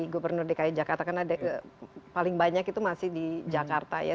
gubernur dki jakarta karena paling banyak itu masih di jakarta ya